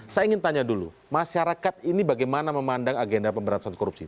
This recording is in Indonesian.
saya ingin tanya dulu masyarakat ini bagaimana memandang agenda pemberantasan korupsi